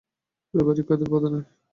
ব্যবহারিক খাতার পাতা নাই?